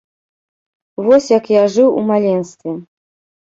Вось як я жыў у маленстве.